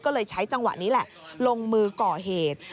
ก็เลยใช้จังหวะนี้แหละลงมือก่อเหตุ